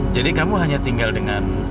jadi kamu hanya tinggal dengan